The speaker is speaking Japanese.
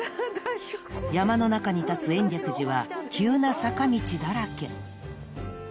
［山の中に立つ延暦寺は急な坂道だらけ］